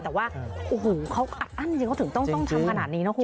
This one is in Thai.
แต่ว่าโอ้โหเขาอัดอั้นจริงเขาถึงต้องทำขนาดนี้นะคุณ